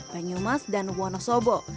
banyumas dan wonosobo